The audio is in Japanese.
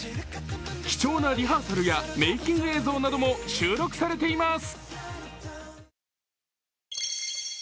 貴重なリハーサルやメイキング映像なども収録されています。